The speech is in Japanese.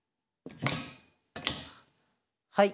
はい。